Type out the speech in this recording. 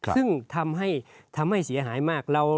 ซึ่งทำให้เสียหายมาก